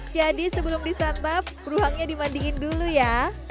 jadi sebelum disantap beruangnya dimandingin dulu ya